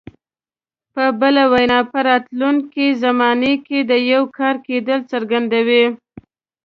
په بله وینا په راتلونکي زمانه کې د یو کار کېدل څرګندوي.